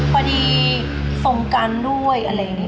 พอดีสงกรรมด้วย